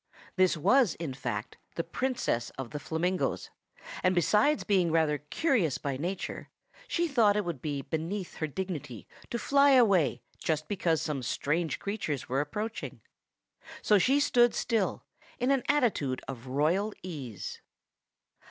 This was, in fact, the Princess of the Flamingoes; and besides being rather curious by nature, she thought it would be beneath her dignity to fly away just because some strange creatures were approaching. So she stood still, in an attitude of royal ease.